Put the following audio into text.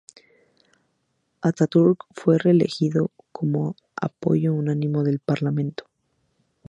Atatürk fue reelegido con apoyo unánime del parlamento.